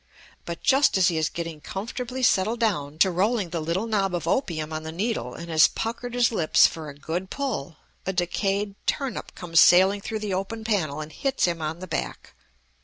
But just as he is getting comfortably settled down to rolling the little knob of opium on the needle and has puckered his lips for a good pull, a decayed turnip comes sailing through the open panel and hits him on the back.